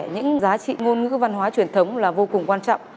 những giá trị ngôn ngữ văn hóa truyền thống là vô cùng quan trọng